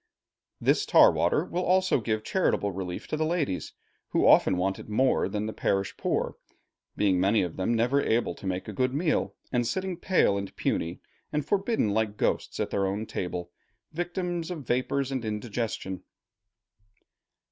This tar water will also give charitable relief to the ladies, who often want it more than the parish poor; being many of them never able to make a good meal, and sitting pale and puny, and forbidden like ghosts, at their own table, victims of vapors and indigestion.